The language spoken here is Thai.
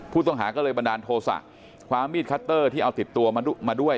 ผู้ต้องหาก็เลยบันดาลโทษะคว้ามีดคัตเตอร์ที่เอาติดตัวมาด้วย